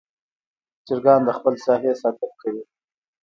چرګان د خپل ساحې ساتنه کوي.